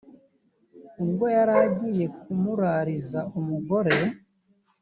ubwo yari agiye kumurariza umugore